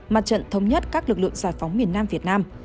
mặt trận thống nhất các lực lượng giải phóng miền nam việt nam